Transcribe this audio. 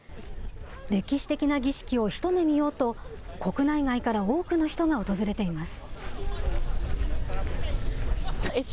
歴史的な儀式を一目見ようと、国内外から多くの人が訪れています。